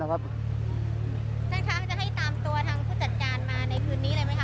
ท่านคะจะให้ตามตัวทางผู้จัดการมาในคืนนี้เลยไหมค